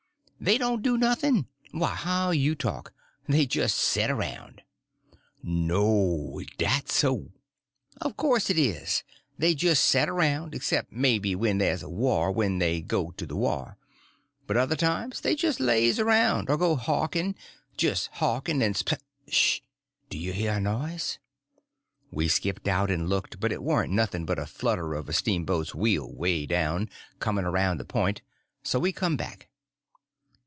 "They don't do nothing! Why, how you talk! They just set around." "No; is dat so?" "Of course it is. They just set around—except, maybe, when there's a war; then they go to the war. But other times they just lazy around; or go hawking—just hawking and sp—Sh!—d' you hear a noise?" We skipped out and looked; but it warn't nothing but the flutter of a steamboat's wheel away down, coming around the point; so we come back.